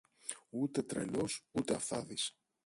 Ούτε τρελός ούτε αυθάδης.